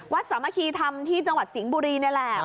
วัดสมาธิธรรมที่จังหวัดสิงบุรีนั่นแหละ